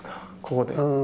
ここで。